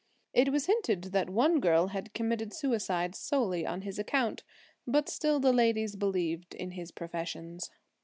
It was hinted that one girl had committed suicide solely on his account. But still the ladies believed in his professions.